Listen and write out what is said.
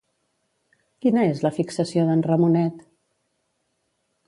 Quina és la fixació d'en Ramonet?